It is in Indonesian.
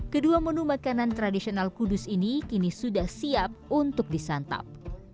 kedua menu makanan tradisional kudus ini kini sudah siap untuk disantap